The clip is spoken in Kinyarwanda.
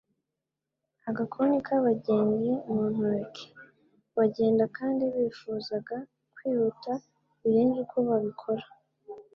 Agakoni k'abagenzi mu ntoke, bagenda kandi bifuzaga kwihuta birenze uko babikora.